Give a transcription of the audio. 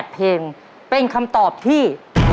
เพลงเป็นคำตอบที่